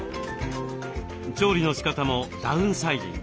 調理のしかたもダウンサイジング。